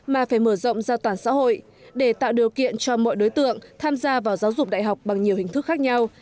mà phải mở rộng giao toàn xã hội để tạo điều kiện cho mọi đối tượng tham gia vào giáo dục đại học bằng nhiều hình thức khác nhau